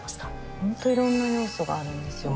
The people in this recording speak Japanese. ホント色んな要素があるんですよね